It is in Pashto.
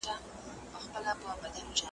ځکه چي دا په طبیعي لحاظ ممکنه خبره نه ده .